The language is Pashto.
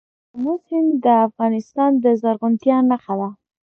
آمو سیند د افغانستان د زرغونتیا نښه ده.